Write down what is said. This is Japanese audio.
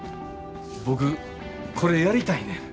僕これやりたいねん。